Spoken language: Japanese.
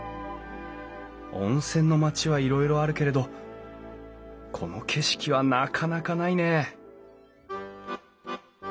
温泉の町はいろいろあるけれどこの景色はなかなかないねえ